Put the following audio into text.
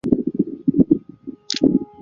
宜兰外海的龟山岛